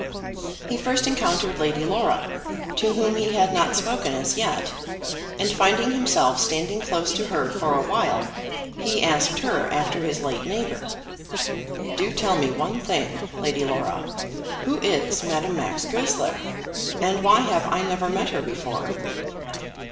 He first encountered Lady Laura, to whom he had not spoken as yet, and, finding himself standing close to her for a while, he asked her after his late neighbour. "Do tell me one thing, Lady Laura; who is Madame Max Goesler, and why have I never met her before?"